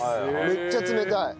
めっちゃ冷たい。